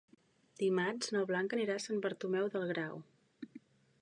Dimarts na Blanca anirà a Sant Bartomeu del Grau.